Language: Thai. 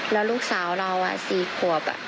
แล้วลูกสาวเรามีสี่ขวบ